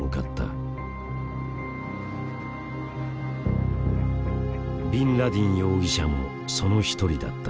ビンラディン容疑者もその一人だった。